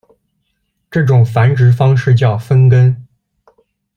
这种繁殖方式叫分根。